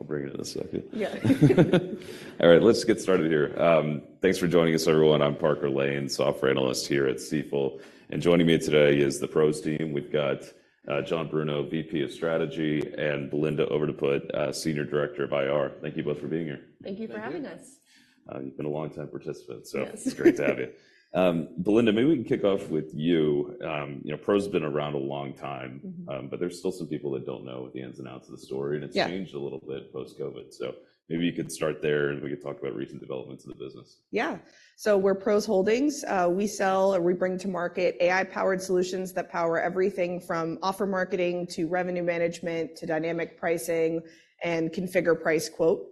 I'll bring it in a second. Yeah. All right, let's get started here. Thanks for joining us, everyone. I'm Parker Lane, software analyst here at Stifel, and joining me today is the PROS team. We've got John Bruno, VP of Strategy, and Belinda Overdeput, Senior Director of IR. Thank you both for being here. Thank you for having us. Thank you. You've been a long-time participant, so- Yes. It's great to have you. Belinda, maybe we can kick off with you. You know, PROS has been around a long time. Mm-hmm. But there's still some people that don't know the ins and outs of the story- Yeah. It's changed a little bit post-COVID. Maybe you could start there, and we can talk about recent developments in the business. Yeah. So we're PROS Holdings. We sell, or we bring to market, AI-powered solutions that power everything from offer marketing to revenue management to dynamic pricing and configure price quote,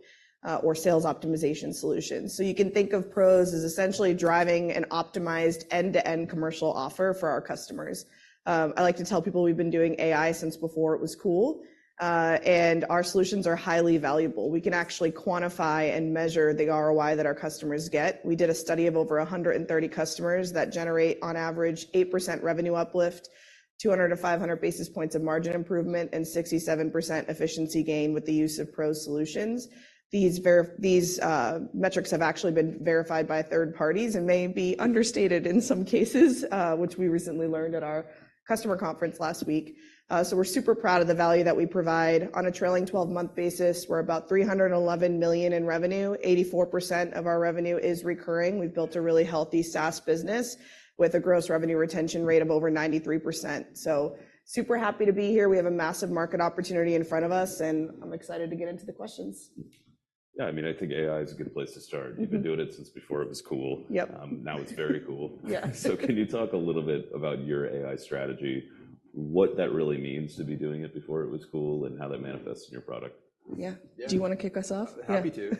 or sales optimization solutions. So you can think of PROS as essentially driving an optimized end-to-end commercial offer for our customers. I like to tell people we've been doing AI since before it was cool, and our solutions are highly valuable. We can actually quantify and measure the ROI that our customers get. We did a study of over 130 customers that generate, on average, 8% revenue uplift, 200-500 basis points of margin improvement, and 67% efficiency gain with the use of PROS solutions. These metrics have actually been verified by third parties and may be understated in some cases, which we recently learned at our customer conference last week. So we're super proud of the value that we provide. On a trailing 12-month basis, we're about $311 million in revenue. 84% of our revenue is recurring. We've built a really healthy SaaS business with a gross revenue retention rate of over 93%. So super happy to be here. We have a massive market opportunity in front of us, and I'm excited to get into the questions. Yeah, I mean, I think AI is a good place to start. Mm-hmm. You've been doing it since before it was cool. Yep. Now it's very cool. Yeah. Can you talk a little bit about your AI strategy, what that really means to be doing it before it was cool, and how that manifests in your product? Yeah. Yeah. Do you want to kick us off? Happy to.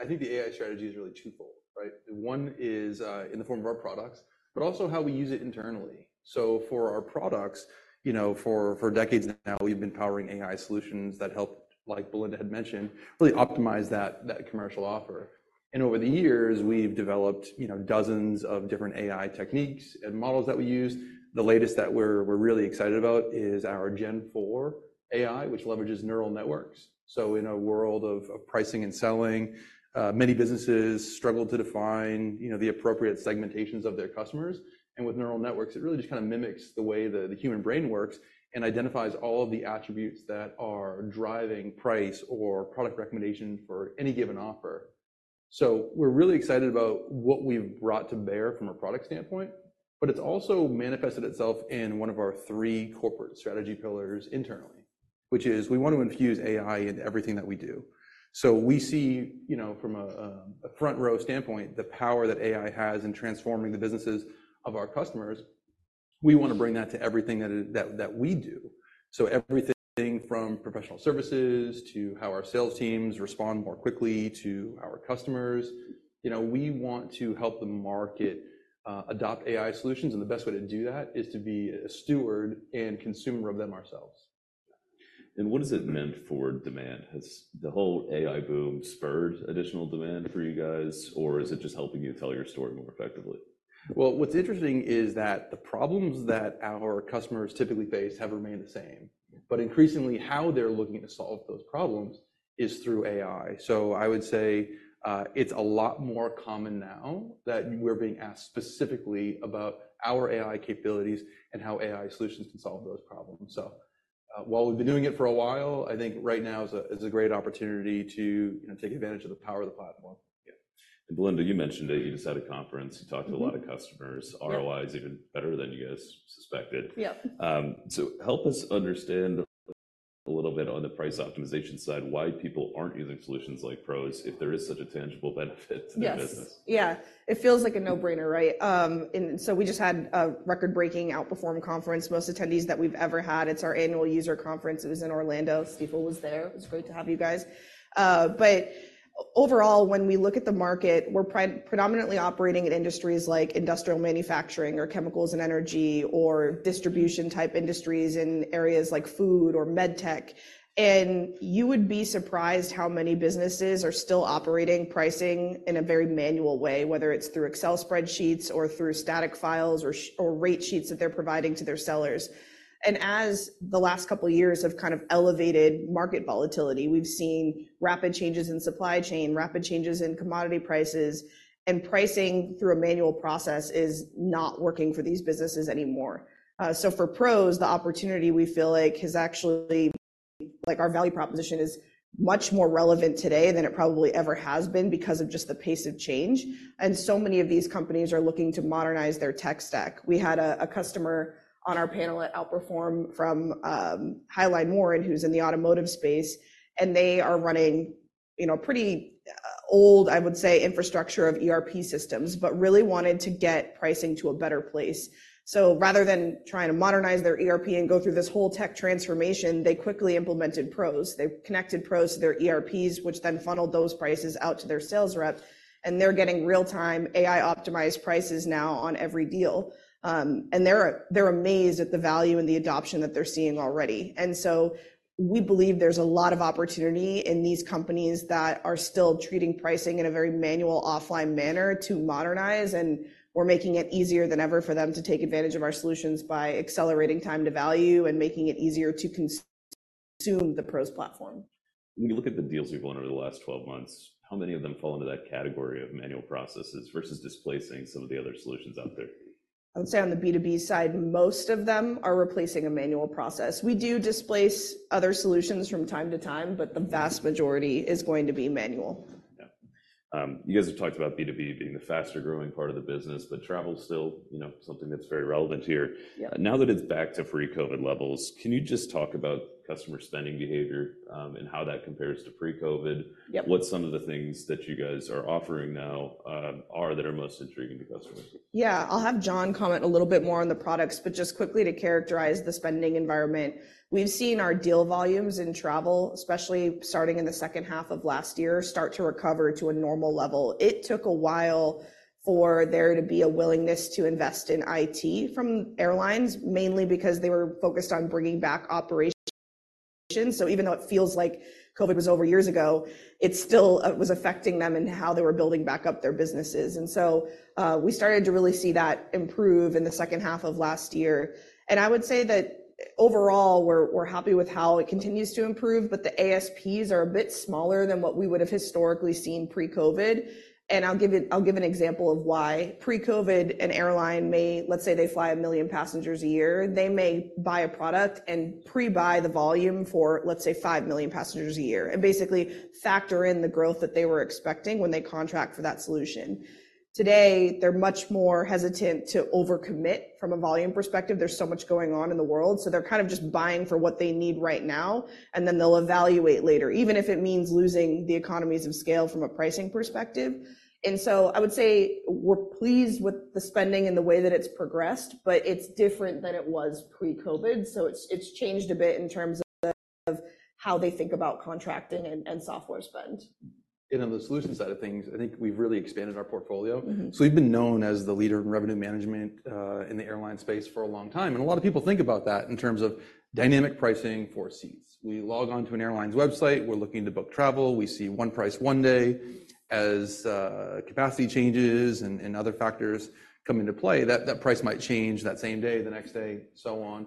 I think the AI strategy is really twofold, right? One is, in the form of our products, but also how we use it internally. So for our products, you know, for decades now, we've been powering AI solutions that help, like Belinda had mentioned, really optimize that, that commercial offer. And over the years, we've developed, you know, dozens of different AI techniques and models that we use. The latest that we're really excited about is our Gen 4 AI, which leverages neural networks. So in a world of pricing and selling, many businesses struggle to define, you know, the appropriate segmentations of their customers. And with neural networks, it really just kind of mimics the way the human brain works and identifies all of the attributes that are driving price or product recommendation for any given offer. So we're really excited about what we've brought to bear from a product standpoint, but it's also manifested itself in one of our three corporate strategy pillars internally, which is we want to infuse AI in everything that we do. So we see, you know, from a, a front row standpoint, the power that AI has in transforming the businesses of our customers. We want to bring that to everything that, that, that we do. So everything from professional services to how our sales teams respond more quickly to our customers. You know, we want to help the market, adopt AI solutions, and the best way to do that is to be a steward and consumer of them ourselves. What has it meant for demand? Has the whole AI boom spurred additional demand for you guys, or is it just helping you tell your story more effectively? Well, what's interesting is that the problems that our customers typically face have remained the same, but increasingly, how they're looking to solve those problems is through AI. So I would say, it's a lot more common now that we're being asked specifically about our AI capabilities and how AI solutions can solve those problems. So, while we've been doing it for a while, I think right now is a great opportunity to, you know, take advantage of the power of the platform. Yeah. Belinda, you mentioned that you just had a conference. Mm-hmm. You talked to a lot of customers. Yep. ROI is even better than you guys suspected. Yep. Help us understand a little bit on the price optimization side, why people aren't using solutions like PROS if there is such a tangible benefit? Yes to their business? Yeah. It feels like a no-brainer, right? And so we just had a record-breaking Outperform conference, most attendees that we've ever had. It's our annual user conference. It was in Orlando. Stifel was there. It was great to have you guys. But overall, when we look at the market, we're predominantly operating in industries like industrial manufacturing or chemicals and energy or distribution-type industries in areas like food or medtech, and you would be surprised how many businesses are still operating pricing in a very manual way, whether it's through Excel spreadsheets or through static files or rate sheets that they're providing to their sellers. And as the last couple of years have kind of elevated market volatility, we've seen rapid changes in supply chain, rapid changes in commodity prices, and pricing through a manual process is not working for these businesses anymore. So for PROS, the opportunity, we feel like, has actually... like, our value proposition is much more relevant today than it probably ever has been because of just the pace of change, and so many of these companies are looking to modernize their tech stack. We had a customer on our panel at Outperform from Highline Warren, who's in the automotive space, and they are running, you know, pretty old, I would say, infrastructure of ERP systems, but really wanted to get pricing to a better place. So rather than trying to modernize their ERP and go through this whole tech transformation, they quickly implemented PROS. They connected PROS to their ERPs, which then funneled those prices out to their sales rep, and they're getting real-time, AI-optimized prices now on every deal. and they're amazed at the value and the adoption that they're seeing already. And so we believe there's a lot of opportunity in these companies that are still treating pricing in a very manual, offline manner to modernize, and we're making it easier than ever for them to take advantage of our solutions by accelerating time to value and making it easier to connect to the PROS platform. When you look at the deals you've won over the last 12 months, how many of them fall into that category of manual processes versus displacing some of the other solutions out there? I would say on the B2B side, most of them are replacing a manual process. We do displace other solutions from time to time, but the vast majority is going to be manual. Yeah. You guys have talked about B2B being the faster-growing part of the business, but travel is still, you know, something that's very relevant here. Yep. Now that it's back to pre-COVID levels, can you just talk about customer spending behavior, and how that compares to pre-COVID? Yep. What's some of the things that you guys are offering now, are that are most intriguing to customers? Yeah, I'll have John comment a little bit more on the products, but just quickly, to characterize the spending environment, we've seen our deal volumes in travel, especially starting in the second half of last year, start to recover to a normal level. It took a while for there to be a willingness to invest in IT from airlines, mainly because they were focused on bringing back operations. So even though it feels like COVID was over years ago, it still was affecting them and how they were building back up their businesses. And so, we started to really see that improve in the second half of last year. I would say that overall, we're, we're happy with how it continues to improve, but the ASPs are a bit smaller than what we would have historically seen pre-COVID, and I'll give an example of why. Pre-COVID, an airline may, let's say they fly 1 million passengers a year. They may buy a product and pre-buy the volume for, let's say, 5 million passengers a year, and basically factor in the growth that they were expecting when they contract for that solution. Today, they're much more hesitant to overcommit from a volume perspective. There's so much going on in the world, so they're kind of just buying for what they need right now, and then they'll evaluate later, even if it means losing the economies of scale from a pricing perspective. And so I would say we're pleased with the spending and the way that it's progressed, but it's different than it was pre-COVID, so it's changed a bit in terms of how they think about contracting and software spend. On the solution side of things, I think we've really expanded our portfolio. Mm-hmm. So we've been known as the leader in Revenue Management in the airline space for a long time, and a lot of people think about that in terms of dynamic pricing for seats. We log on to an airline's website, we're looking to book travel, we see one price one day. As capacity changes and other factors come into play, that price might change that same day, the next day, so on.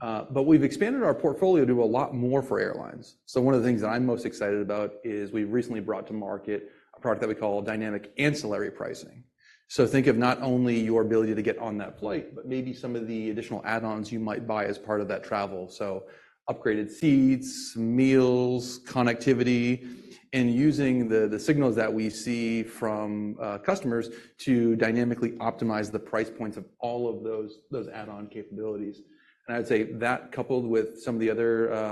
But we've expanded our portfolio to do a lot more for airlines. So one of the things that I'm most excited about is we recently brought to market a product that we call Dynamic Ancillary Pricing. So think of not only your ability to get on that flight, but maybe some of the additional add-ons you might buy as part of that travel. So upgraded seats, meals, connectivity, and using the signals that we see from customers to dynamically optimize the price points of all of those add-on capabilities. And I would say that, coupled with some of the other,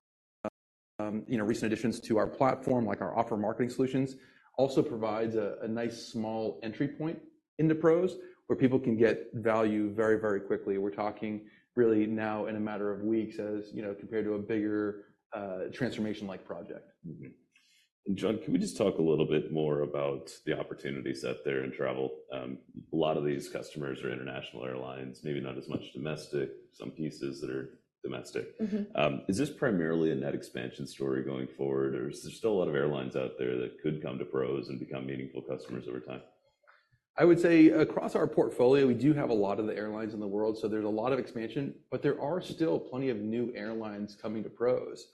you know, recent additions to our platform, like our offer marketing solutions, also provides a nice small entry point into PROS, where people can get value very, very quickly. We're talking really now in a matter of weeks, as you know, compared to a bigger transformation-like project. Mm-hmm. John, can we just talk a little bit more about the opportunity set there in travel? A lot of these customers are international airlines, maybe not as much domestic, some pieces that are domestic. Mm-hmm. Is this primarily a net expansion story going forward, or is there still a lot of airlines out there that could come to PROS and become meaningful customers over time? I would say across our portfolio, we do have a lot of the airlines in the world, so there's a lot of expansion, but there are still plenty of new airlines coming to PROS.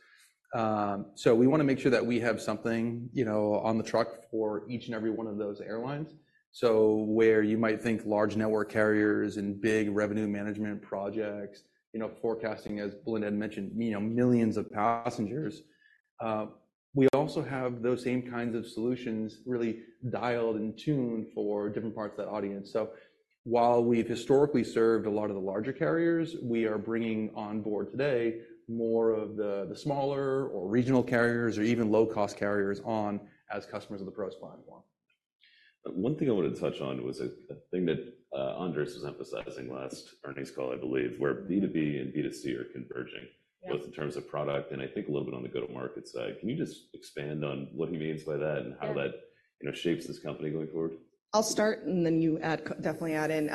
So we want to make sure that we have something, you know, on the truck for each and every one of those airlines. So where you might think large network carriers and big revenue management projects, you know, forecasting, as Belinda had mentioned, you know, millions of passengers, we also have those same kinds of solutions really dialed and tuned for different parts of that audience. So while we've historically served a lot of the larger carriers, we are bringing on board today more of the smaller or regional carriers or even low-cost carriers on as customers of the PROS platform. One thing I wanted to touch on was a thing that Andres was emphasizing last earnings call, I believe, where B2B and B2C are converging- Yeah... both in terms of product and I think a little bit on the go-to-market side. Can you just expand on what he means by that? Yeah and how that, you know, shapes this company going forward? I'll start, and then you add, definitely add in.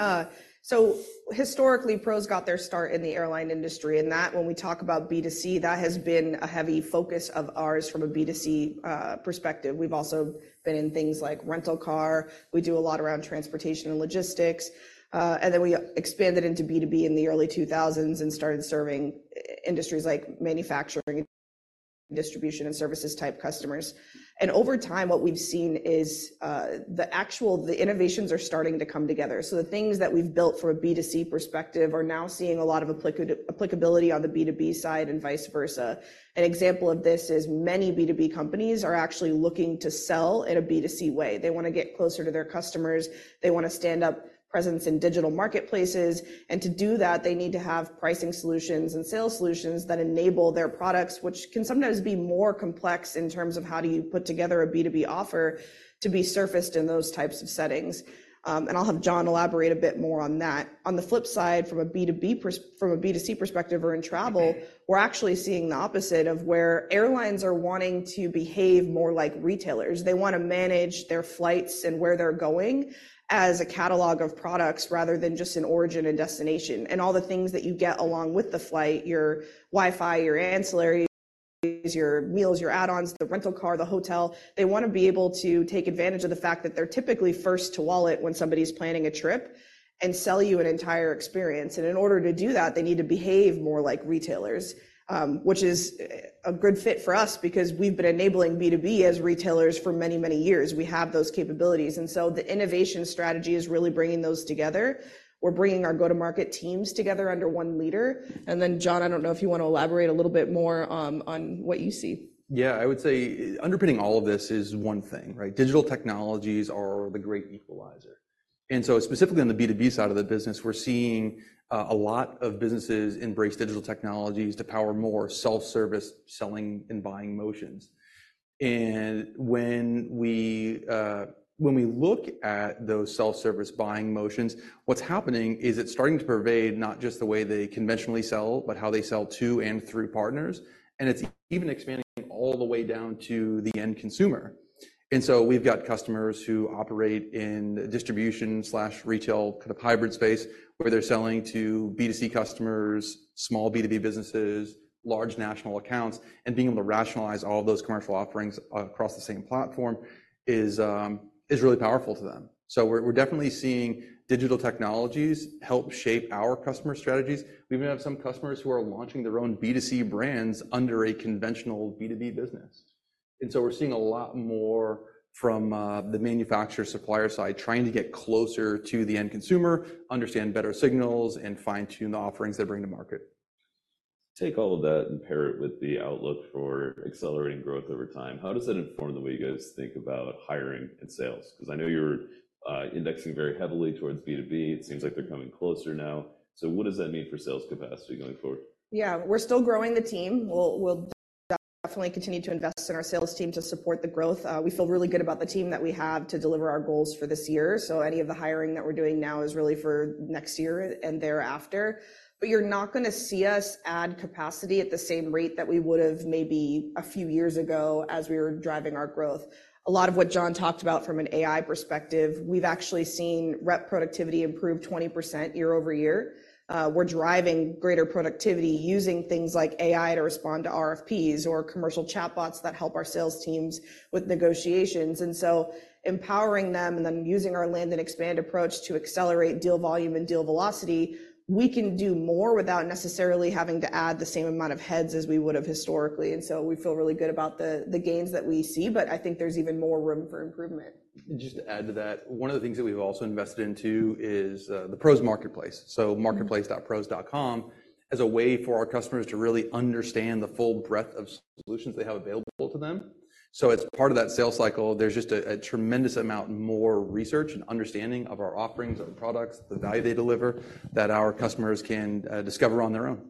So historically, PROS got their start in the airline industry, and that, when we talk about B2C, that has been a heavy focus of ours from a B2C perspective. We've also been in things like rental car. We do a lot around transportation and logistics, and then we expanded into B2B in the early 2000s and started serving industries like manufacturing, distribution, and services type customers. And over time, what we've seen is, the actual innovations are starting to come together. So the things that we've built from a B2C perspective are now seeing a lot of applicability on the B2B side, and vice versa. An example of this is many B2B companies are actually looking to sell in a B2C way. They want to get closer to their customers. They want to stand up presence in digital marketplaces, and to do that, they need to have pricing solutions and sales solutions that enable their products, which can sometimes be more complex in terms of how do you put together a B2B offer to be surfaced in those types of settings? And I'll have John elaborate a bit more on that. On the flip side, from a B2C perspective or in travel- Okay... we're actually seeing the opposite of where airlines are wanting to behave more like retailers. They want to manage their flights and where they're going as a catalog of products, rather than just an origin and destination. And all the things that you get along with the flight, your Wi-Fi, your ancillary, your meals, your add-ons, the rental car, the hotel. They want to be able to take advantage of the fact that they're typically first to wallet when somebody's planning a trip and sell you an entire experience, and in order to do that, they need to behave more like retailers, which is a good fit for us because we've been enabling B2B as retailers for many, many years. We have those capabilities, and so the innovation strategy is really bringing those together. We're bringing our go-to-market teams together under one leader, and then, John, I don't know if you want to elaborate a little bit more, on what you see. Yeah, I would say underpinning all of this is one thing, right? Digital technologies are the great equalizer, and so specifically on the B2B side of the business, we're seeing a lot of businesses embrace digital technologies to power more self-service selling and buying motions. And when we look at those self-service buying motions, what's happening is it's starting to pervade not just the way they conventionally sell, but how they sell to and through partners, and it's even expanding all the way down to the end consumer. And so we've got customers who operate in distribution/retail kind of hybrid space, where they're selling to B2C customers, small B2B businesses, large national accounts, and being able to rationalize all those commercial offerings across the same platform is really powerful to them. So we're definitely seeing digital technologies help shape our customer strategies. We even have some customers who are launching their own B2C brands under a conventional B2B business, and so we're seeing a lot more from, the manufacturer/supplier side, trying to get closer to the end consumer, understand better signals, and fine-tune the offerings they bring to market. Take all of that and pair it with the outlook for accelerating growth over time. How does that inform the way you guys think about hiring and sales? 'Cause I know you're indexing very heavily towards B2B. It seems like they're coming closer now. So what does that mean for sales capacity going forward? Yeah, we're still growing the team. We'll definitely continue to invest in our sales team to support the growth. We feel really good about the team that we have to deliver our goals for this year, so any of the hiring that we're doing now is really for next year and thereafter. But you're not gonna see us add capacity at the same rate that we would've maybe a few years ago as we were driving our growth. A lot of what John talked about from an AI perspective, we've actually seen rep productivity improve 20% year-over-year. We're driving greater productivity using things like AI to respond to RFPs or commercial chatbots that help our sales teams with negotiations, and so empowering them and then using our land and expand approach to accelerate deal volume and deal velocity, we can do more without necessarily having to add the same amount of heads as we would have historically, and so we feel really good about the gains that we see. But I think there's even more room for improvement. Just to add to that, one of the things that we've also invested into is the PROS Marketplace, so marketplace.pros.com, as a way for our customers to really understand the full breadth of solutions they have available to them. So as part of that sales cycle, there's just a tremendous amount more research and understanding of our offerings, our products, the value they deliver, that our customers can discover on their own.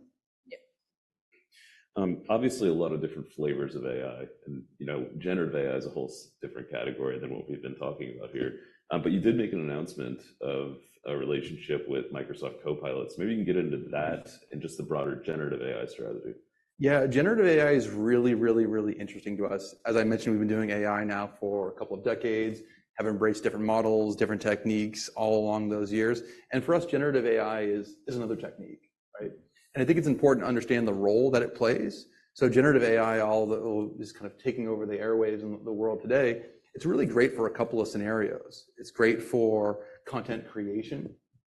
Yeah. Obviously, a lot of different flavors of AI, and, you know, generative AI is a whole different category than what we've been talking about here. But you did make an announcement of a relationship with Microsoft Copilot. Maybe you can get into that and just the broader generative AI strategy. Yeah, generative AI is really, really, really interesting to us. As I mentioned, we've been doing AI now for a couple of decades, have embraced different models, different techniques all along those years, and for us, generative AI is, is another technique, right? And I think it's important to understand the role that it plays. So generative AI, although is kind of taking over the airwaves and the world today, it's really great for a couple of scenarios. It's great for content creation.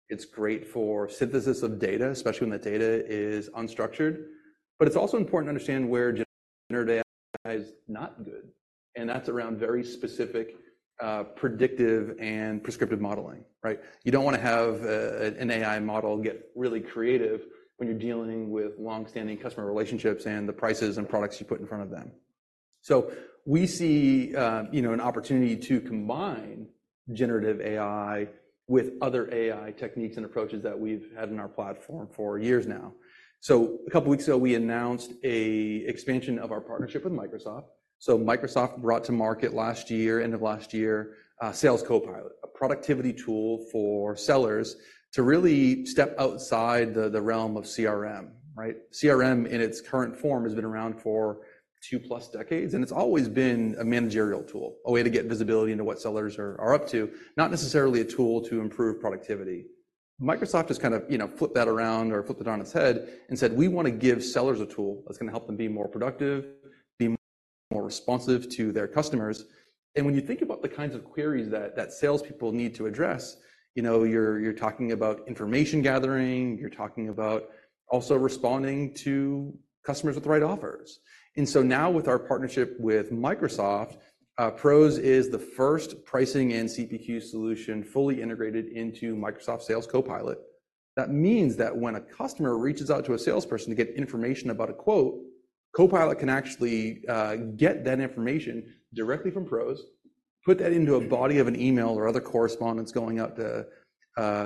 It's great for synthesis of data, especially when that data is unstructured. But it's also important to understand where generative AI is not good, and that's around very specific, predictive and prescriptive modeling, right? You don't want to have a, an AI model get really creative when you're dealing with long-standing customer relationships and the prices and products you put in front of them. So we see, you know, an opportunity to combine generative AI with other AI techniques and approaches that we've had in our platform for years now. So a couple weeks ago, we announced a expansion of our partnership with Microsoft. So Microsoft brought to market last year, end of last year, Sales Copilot, a productivity tool for sellers to really step outside the realm of CRM, right? CRM in its current form has been around for 2+ decades, and it's always been a managerial tool, a way to get visibility into what sellers are up to, not necessarily a tool to improve productivity. Microsoft has kind of, you know, flipped that around or flipped it on its head and said: "We want to give sellers a tool that's gonna help them be more productive, be more responsive to their customers." And when you think about the kinds of queries that salespeople need to address, you know, you're talking about information gathering. You're talking about also responding to customers with the right offers. And so now with our partnership with Microsoft, PROS is the first pricing and CPQ solution fully integrated into Microsoft Sales Copilot. That means that when a customer reaches out to a salesperson to get information about a quote, Copilot can actually get that information directly from PROS, put that into a body of an email or other correspondence going out to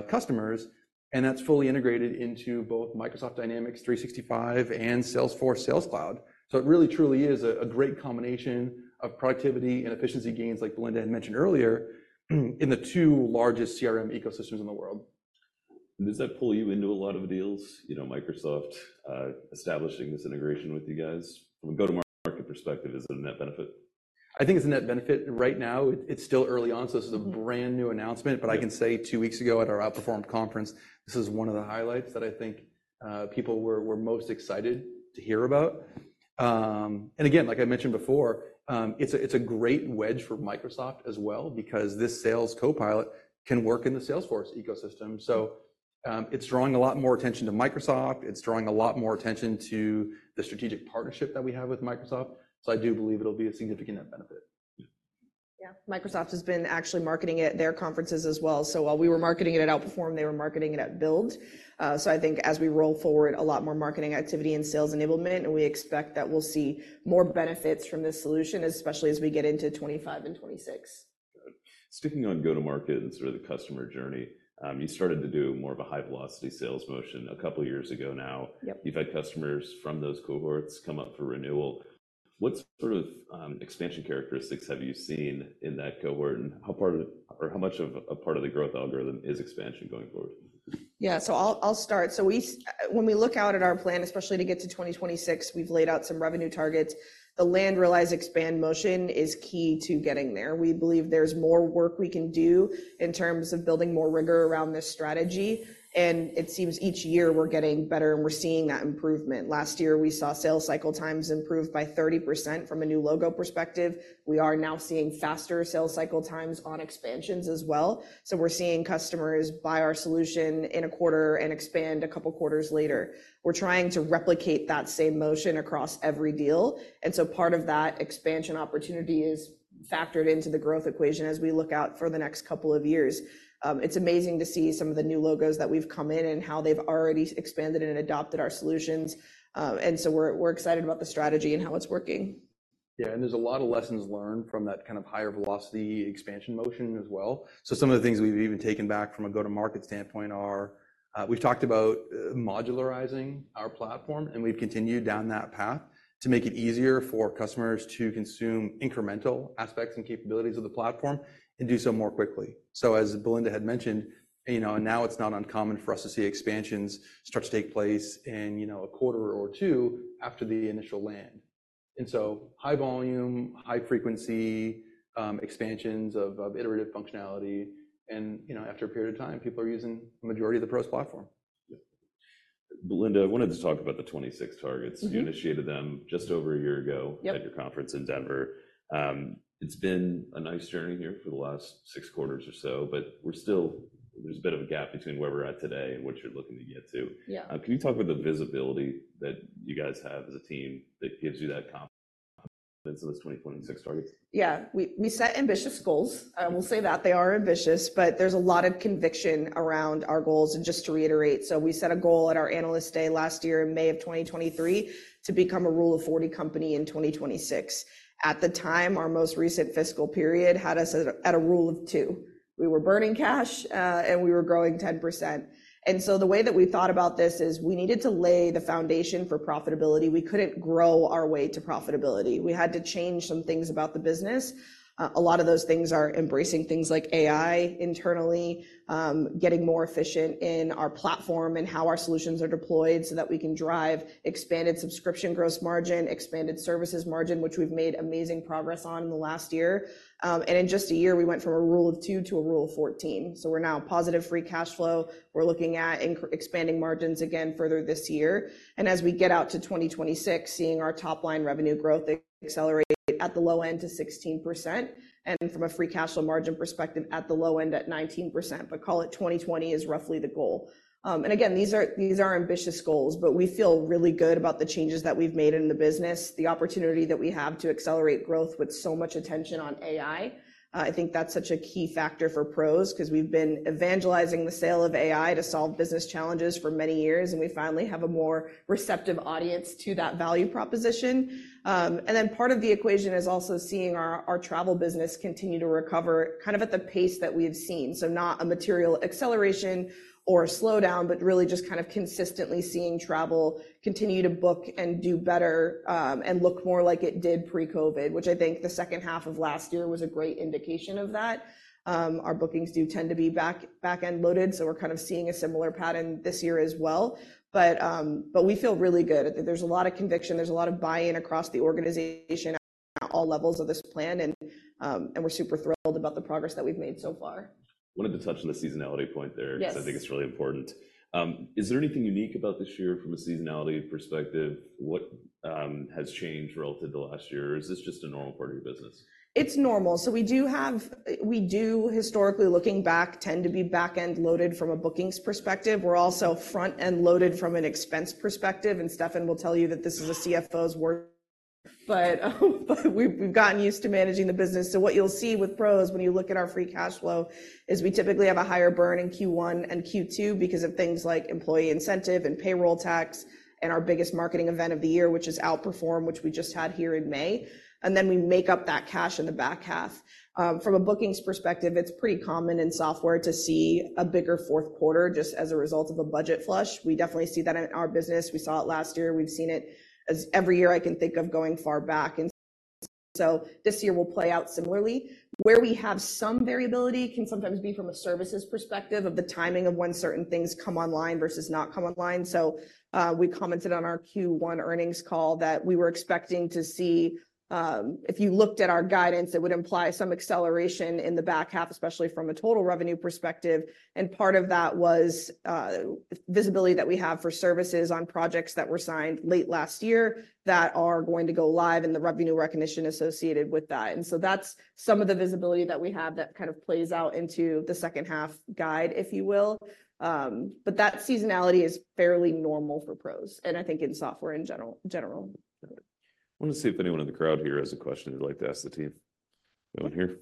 customers, and that's fully integrated into both Microsoft Dynamics 365 and Salesforce Sales Cloud. It really truly is a great combination of productivity and efficiency gains, like Belinda had mentioned earlier, in the two largest CRM ecosystems in the world. Does that pull you into a lot of deals? You know, Microsoft, establishing this integration with you guys. From a go-to-market perspective, is it a net benefit? I think it's a net benefit. Right now, it's still early on, so this is a brand-new announcement. But I can say two weeks ago at our Outperform conference, this is one of the highlights that I think people were most excited to hear about. And again, like I mentioned before, it's a great wedge for Microsoft as well because this sales copilot can work in the Salesforce ecosystem. So, it's drawing a lot more attention to Microsoft. It's drawing a lot more attention to the strategic partnership that we have with Microsoft, so I do believe it'll be a significant net benefit. Yeah. Microsoft has been actually marketing it at their conferences as well. So while we were marketing it at Outperform, they were marketing it at Build. So I think as we roll forward, a lot more marketing activity and sales enablement, and we expect that we'll see more benefits from this solution, especially as we get into 2025 and 2026. Sticking on go-to-market and sort of the customer journey, you started to do more of a high-velocity sales motion a couple of years ago now. Yep. You've had customers from those cohorts come up for renewal. What sort of expansion characteristics have you seen in that cohort, and how much of a part of the growth algorithm is expansion going forward? Yeah, so I'll, I'll start. So, when we look out at our plan, especially to get to 2026, we've laid out some revenue targets. The land realize expand motion is key to getting there. We believe there's more work we can do in terms of building more rigor around this strategy, and it seems each year we're getting better, and we're seeing that improvement. Last year, we saw sales cycle times improve by 30% from a new logo perspective. We are now seeing faster sales cycle times on expansions as well. So we're seeing customers buy our solution in a quarter and expand a couple of quarters later. We're trying to replicate that same motion across every deal, and so part of that expansion opportunity is factored into the growth equation as we look out for the next couple of years. It's amazing to see some of the new logos that we've come in and how they've already expanded and adopted our solutions. And so we're excited about the strategy and how it's working. Yeah, and there's a lot of lessons learned from that kind of higher velocity expansion motion as well. So some of the things we've even taken back from a go-to-market standpoint are, we've talked about modularizing our platform, and we've continued down that path to make it easier for customers to consume incremental aspects and capabilities of the platform and do so more quickly. So as Belinda had mentioned, you know, now it's not uncommon for us to see expansions start to take place in, you know, a quarter or two after the initial land. And so high volume, high frequency, expansions of iterative functionality, and, you know, after a period of time, people are using the majority of the PROS platform. Belinda, I wanted to talk about the 26 targets. Mm-hmm. You initiated them just over a year ago- Yep At your conference in Denver. It's been a nice journey here for the last six quarters or so, but we're still. There's a bit of a gap between where we're at today and what you're looking to get to. Yeah. Can you talk about the visibility that you guys have as a team that gives you that confidence in those 2026 targets? Yeah. We set ambitious goals. I will say that they are ambitious, but there's a lot of conviction around our goals. Just to reiterate, we set a goal at our Analyst Day last year, in May 2023, to become a Rule of 40 company in 2026. At the time, our most recent fiscal period had us at a Rule of Two. We were burning cash, and we were growing 10%. So the way that we thought about this is we needed to lay the foundation for profitability. We couldn't grow our way to profitability. We had to change some things about the business. A lot of those things are embracing things like AI internally, getting more efficient in our platform and how our solutions are deployed so that we can drive expanded subscription gross margin, expanded services margin, which we've made amazing progress on in the last year. In just a year, we went from a Rule of Two to a Rule of 14. So we're now positive free cash flow. We're looking at expanding margins again further this year. And as we get out to 2026, seeing our top-line revenue growth accelerate at the low end to 16%, and from a free cash flow margin perspective, at the low end at 19%, but call it 20% is roughly the goal. And again, these are ambitious goals, but we feel really good about the changes that we've made in the business, the opportunity that we have to accelerate growth with so much attention on AI. I think that's such a key factor for PROS 'cause we've been evangelizing the sale of AI to solve business challenges for many years, and we finally have a more receptive audience to that value proposition. And then part of the equation is also seeing our travel business continue to recover, kind of at the pace that we've seen. So not a material acceleration or a slowdown, but really just kind of consistently seeing travel continue to book and do better, and look more like it did pre-COVID, which I think the second half of last year was a great indication of that. Our bookings do tend to be back-end loaded, so we're kind of seeing a similar pattern this year as well. But we feel really good. There's a lot of conviction, there's a lot of buy-in across the organization, at all levels of this plan, and we're super thrilled about the progress that we've made so far. Wanted to touch on the seasonality point there. Yes. Because I think it's really important. Is there anything unique about this year from a seasonality perspective? What has changed relative to last year, or is this just a normal part of your business? It's normal. So we do have, we do historically, looking back, tend to be back-end loaded from a bookings perspective. We're also front-end loaded from an expense perspective, and Stefan will tell you that this is a CFO's work, but, we've, we've gotten used to managing the business. So what you'll see with PROS, when you look at our free cash flow, is we typically have a higher burn in Q1 and Q2 because of things like employee incentive and payroll tax, and our biggest marketing event of the year, which is Outperform, which we just had here in May, and then we make up that cash in the back half. From a bookings perspective, it's pretty common in software to see a bigger fourth quarter just as a result of a budget flush. We definitely see that in our business. We saw it last year. We've seen it as every year I can think of going far back. So this year will play out similarly. Where we have some variability can sometimes be from a services perspective of the timing of when certain things come online versus not come online. So, we commented on our Q1 earnings call that we were expecting to see, if you looked at our guidance, it would imply some acceleration in the back half, especially from a total revenue perspective. And part of that was, visibility that we have for services on projects that were signed late last year that are going to go live and the revenue recognition associated with that. And so that's some of the visibility that we have that kind of plays out into the second half guide, if you will. But that seasonality is fairly normal for PROS, and I think in software in general. I want to see if anyone in the crowd here has a question you'd like to ask the team. Anyone here?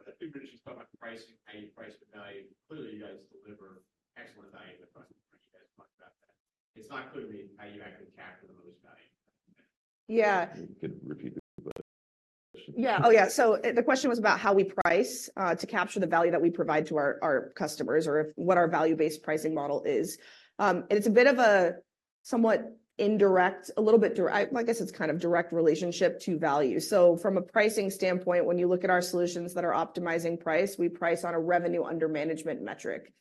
I think you just talked about pricing, how you price the value. Clearly, you guys deliver excellent value, but you guys talked about that. It's not clear to me how you actually capture the most value. Yeah. You could repeat the question. Yeah. Oh, yeah. So the question was about how we price to capture the value that we provide to our, our customers or if, what our value-based pricing model is. And it's a bit of a somewhat indirect, a little bit, I guess it's kind of direct relationship to value. So from a pricing standpoint, when you look at our solutions that are optimizing price, we price on a revenue under management metric.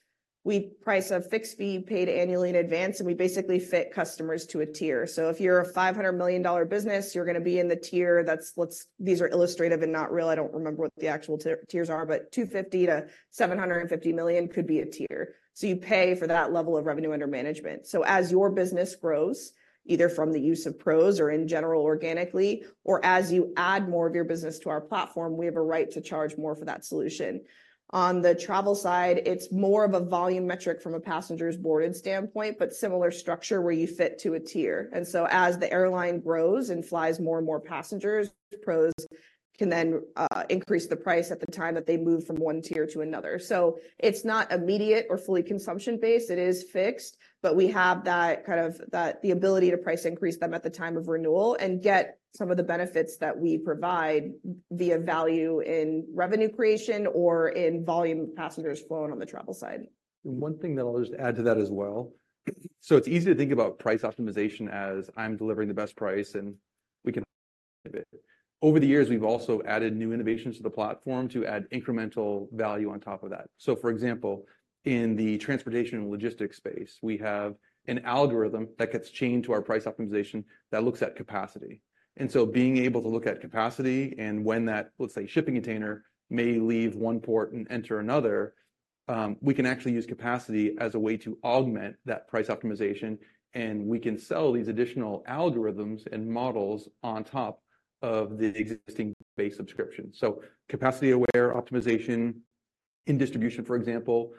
We price a fixed fee paid annually in advance, and we basically fit customers to a tier. So if you're a $500 million business, you're going to be in the tier that's, let's say these are illustrative and not real. I don't remember what the actual tiers are, but $250 million-$750 million could be a tier. So you pay for that level of revenue under management. So as your business grows, either from the use of PROS or in general, organically, or as you add more of your business to our platform, we have a right to charge more for that solution. On the travel side, it's more of a volume metric from a passengers boarded standpoint, but similar structure where you fit to a tier. And so as the airline grows and flies more and more passengers, PROS can then increase the price at the time that they move from one tier to another. So it's not immediate or fully consumption-based, it is fixed, but we have that kind of, that, the ability to price increase them at the time of renewal and get some of the benefits that we provide via value in revenue creation or in volume passengers flown on the travel side. One thing that I'll just add to that as well. So it's easy to think about price optimization as I'm delivering the best price, and we can... over the years, we've also added new innovations to the platform to add incremental value on top of that. So for example, in the transportation and logistics space, we have an algorithm that gets chained to our price optimization that looks at capacity. And so being able to look at capacity and when that, let's say, shipping container may leave one port and enter another, we can actually use capacity as a way to augment that price optimization, and we can sell these additional algorithms and models on top of the existing base subscription. So capacity-aware optimization. In distribution, for example,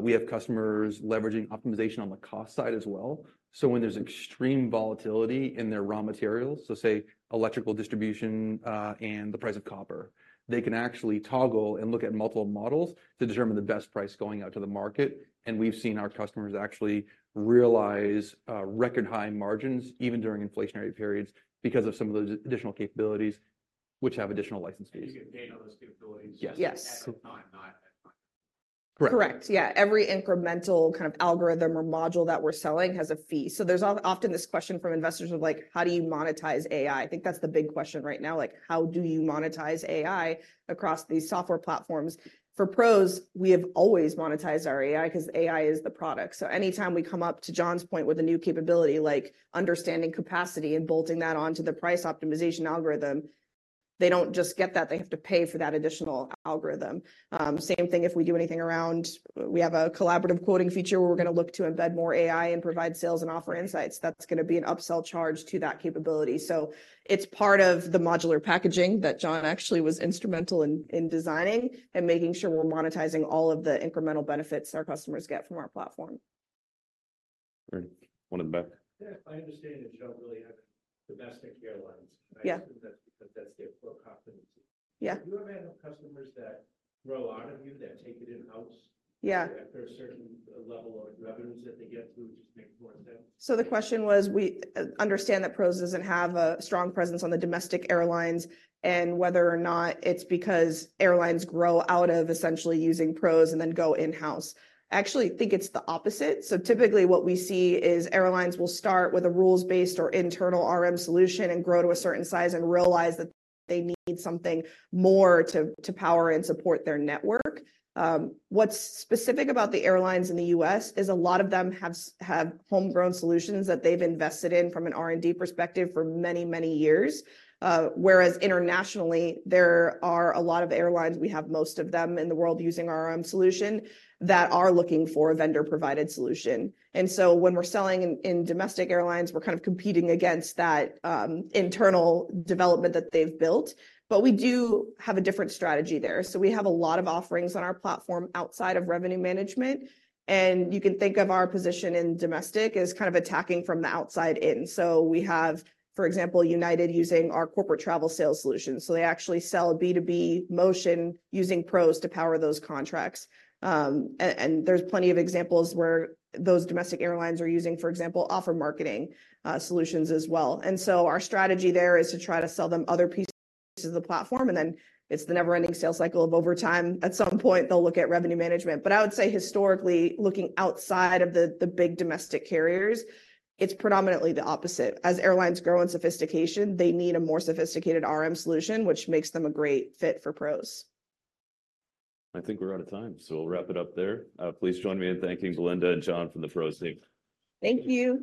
we have customers leveraging optimization on the cost side as well. When there's extreme volatility in their raw materials, so say, electrical distribution, and the price of copper, they can actually toggle and look at multiple models to determine the best price going out to the market. We've seen our customers actually realize record-high margins even during inflationary periods, because of some of those additional capabilities, which have additional license fees. You get data on those capabilities? Yes. Yes. Not, not... Correct. Correct. Yeah, every incremental kind of algorithm or module that we're selling has a fee. So there's often this question from investors of like: How do you monetize AI? I think that's the big question right now, like, how do you monetize AI across these software platforms? For PROS, we have always monetized our AI because AI is the product. So anytime we come up, to John's point, with a new capability, like understanding capacity and bolting that on to the price optimization algorithm, they don't just get that, they have to pay for that additional algorithm. Same thing if we do anything around, we have a collaborative quoting feature where we're going to look to embed more AI and provide sales and offer insights. That's going to be an upsell charge to that capability. So it's part of the modular packaging that John actually was instrumental in designing and making sure we're monetizing all of the incremental benefits our customers get from our platform. Great. One in the back. Yeah, my understanding is y'all really have domestic airlines. Yeah. I assume that's because that's their core competency. Yeah. Do you ever have customers that grow out of you, that take it in-house? Yeah. After a certain level of revenues that they get to, just make more sense. So the question was, we understand that PROS doesn't have a strong presence on the domestic airlines and whether or not it's because airlines grow out of essentially using PROS and then go in-house. I actually think it's the opposite. So typically, what we see is airlines will start with a rules-based or internal RM solution and grow to a certain size and realize that they need something more to power and support their network. What's specific about the airlines in the U.S. is a lot of them have homegrown solutions that they've invested in from an R&D perspective for many, many years. Whereas internationally, there are a lot of airlines, we have most of them in the world using our RM solution, that are looking for a vendor-provided solution. And so when we're selling in domestic airlines, we're kind of competing against that internal development that they've built. But we do have a different strategy there. So we have a lot of offerings on our platform outside of Revenue Management, and you can think of our position in domestic as kind of attacking from the outside in. So we have, for example, United using our corporate travel sales solution. So they actually sell a B2B motion using PROS to power those contracts. And there's plenty of examples where those domestic airlines are using, for example, Offer Marketing solutions as well. And so our strategy there is to try to sell them other pieces of the platform, and then it's the never-ending sales cycle of over time. At some point, they'll look at Revenue Management. But I would say historically, looking outside of the big domestic carriers, it's predominantly the opposite. As airlines grow in sophistication, they need a more sophisticated RM solution, which makes them a great fit for PROS. I think we're out of time, so we'll wrap it up there. Please join me in thanking Belinda and John from the PROS team. Thank you!